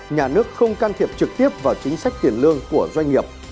nhà nước không can thiệp trực tiếp vào chính sách tiền lương của doanh nghiệp